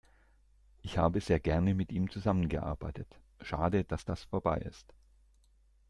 Ich habe sehr gerne mit ihm zusammen gearbeitet. Schade, dass das vorbei ist.